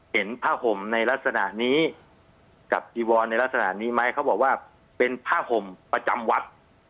เห็นผ้าห่มในลักษณะนี้กับจีวอนในลักษณะนี้ไหมเขาบอกว่าเป็นผ้าห่มประจำวัด